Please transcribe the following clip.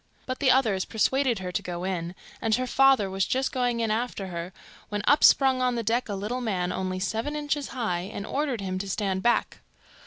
But the others persuaded her to go in, and her father was just going in after her, when up sprung on the deck a little man only seven inches high, and ordered him to stand back.